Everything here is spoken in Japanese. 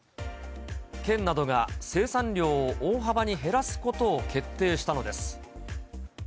県などが生産量を大幅に減らすことを決定したのです。